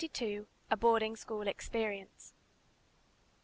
XXII. A BOARDING SCHOOL EXPERIENCE.